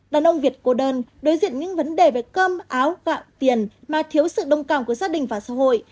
đàn ông việt cô đơn đối diện những vấn đề về cơm áo gạo tiền mà thiếu sự đồng cảm của gia đình và xã hội